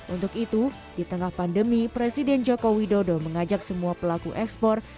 untuk itu di tengah pandemi presiden joko widodo mengajak semua pelaku ekspor